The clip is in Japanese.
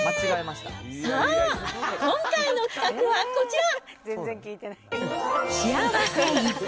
さあ、今回の企画はこちら。